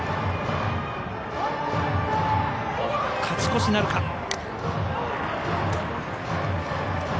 勝ち越しなるか。